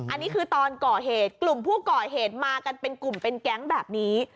อันนี้คือตอนก่อเหตุกลุ่มผู้ก่อเหตุมากันเป็นกลุ่มเป็นแก๊งแบบนี้